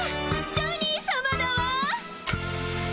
ジョニーさまだわ！